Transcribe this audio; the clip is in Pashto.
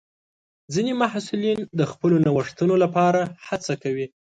ځینې محصلین د خپلو نوښتونو لپاره هڅه کوي.